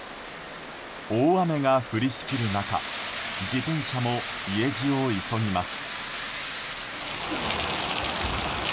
大雨が降りしきる中自転車も家路を急ぎます。